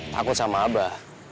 takut sama abah